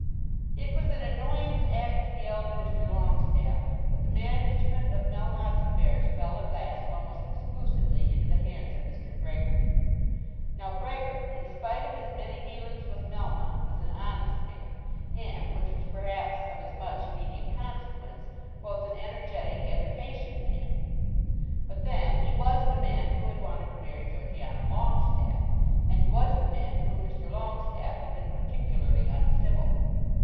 It was an annoyance added to the elder Mr. Longestaffe that the management of Melmotte's affairs fell at last almost exclusively into the hands of Mr. Brehgert. Now Brehgert, in spite of his many dealings with Melmotte, was an honest man, and, which was perhaps of as much immediate consequence, both an energetic and a patient man. But then he was the man who had wanted to marry Georgiana Longestaffe, and he was the man to whom Mr. Longestaffe had been particularly uncivil.